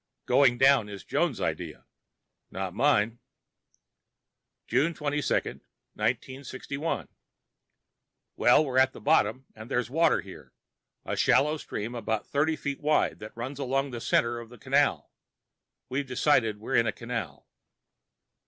Going down was Jones' idea, not mine. June 22, 1961 Well, we're at the bottom, and there's water here, a shallow stream about thirty feet wide that runs along the center of the canal (we've decided we're in a canal).